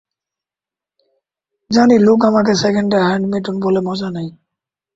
জানি লোক আমাকে সেকেন্ড হ্যান্ড মিঠুন বলে মজা নেয়।